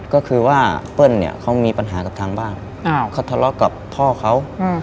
ก็คือว่าเปิ้ลเนี่ยเขามีปัญหากับทางบ้านเขาทะเลาะกับพ่อเขา